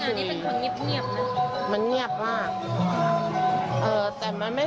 โปรดติดตามต่อไป